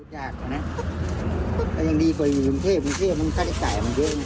ยังดีประหยุดเทพมึงเทพมึงทัดไอ้สายมันเยอะนะ